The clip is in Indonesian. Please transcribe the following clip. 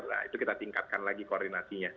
nah itu kita tingkatkan lagi koordinasinya